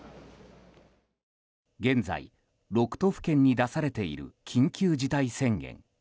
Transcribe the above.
現在６都府県に出されている緊急事態宣言。